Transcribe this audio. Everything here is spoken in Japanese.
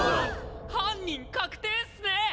犯人確定っスね！